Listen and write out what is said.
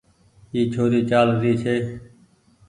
اي ڇوري چآل رهي ڇي۔